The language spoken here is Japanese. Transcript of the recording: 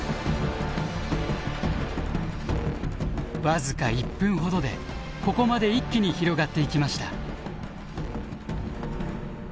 僅か１分ほどでここまで一気に広がっていきました。